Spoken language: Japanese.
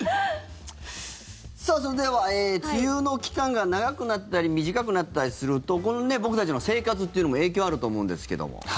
さあ、それでは梅雨の期間が長くなったり短くなったりすると僕たちの生活というのも影響があると思うんですけども。